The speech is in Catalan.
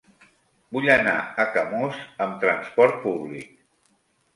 Vull anar a Camós amb trasport públic.